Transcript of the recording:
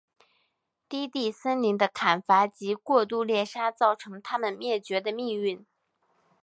低地森林的砍伐及过度猎杀造成它们灭绝的命运。